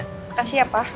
makasih ya pak